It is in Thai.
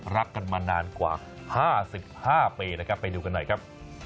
รักกันมานานกว่า๕๕ปีนะครับไปดูกันหน่อยครับ